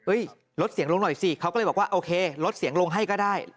ลดเสียงลงหน่อยสิเขาก็เลยบอกว่าโอเคลดเสียงลงให้ก็ได้